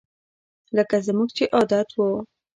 لکه زموږ چې عادت وو